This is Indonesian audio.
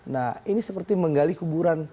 nah ini seperti menggali kuburan